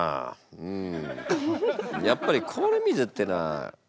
うん。